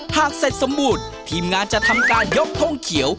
หากเสร็จสมบูรณ์ทีมงานจะทำการยกท่งเขียว